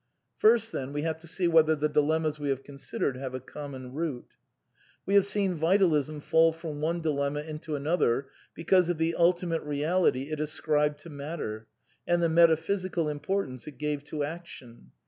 First, then, we have to see whether the dilemmas we have considered have a common root. We have seen Vjtali«n fall from one dilemma into an other, because of the ultimate reality it ascribed to matter;^ and the metaphysical importance it gave to action.